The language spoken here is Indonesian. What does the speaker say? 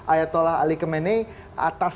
ayatollah ali khamenei atas